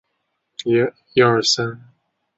面片汤泛指以面片为主食的汤类食品。